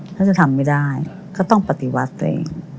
ถ้าจะทำไม่ได้ก็ต้องปฏิวัติตัวเอง